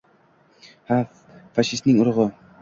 Ha, fashistning urug`i